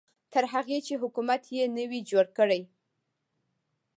تر هغې چې حکومت یې نه وي جوړ کړی.